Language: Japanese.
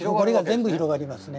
全部広がりますね。